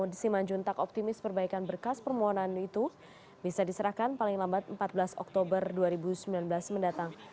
di simanjuntak optimis perbaikan berkas permohonan itu bisa diserahkan paling lambat empat belas oktober dua ribu sembilan belas mendatang